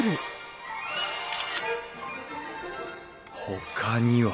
ほかには？